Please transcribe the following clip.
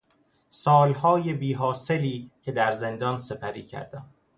سالهای بیحاصلی که در زندان سپری کردم